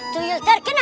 tuyul terkenal hobo